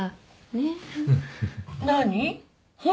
ねっ？